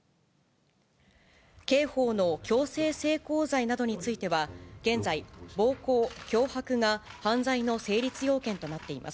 刑法の強制性交罪などについては、現在、暴行・脅迫が犯罪の成立要件となっています。